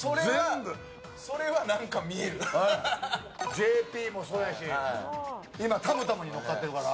ＪＰもそうやし今、たむたむに乗っかってるから。